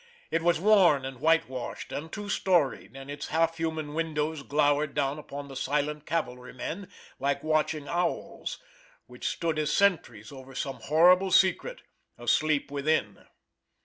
It was worn and whitewashed, and two storied, and its half human windows glowered down upon the silent cavalrymen like watching owls, which stood as sentries over some horrible secret asleep within.